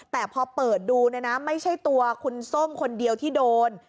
แต่พอเปิดดูเนี่ยนะไม่ใช่ตัวคุณส้มคนเดียวที่โดน